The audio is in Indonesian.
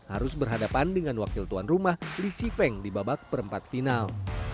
harus berhadapan dengan wakil tuan rumah lisi feng di babak perempat final